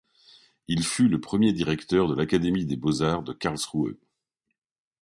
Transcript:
Il fut le premier directeur de l'académie des beaux-arts de Karlsruhe.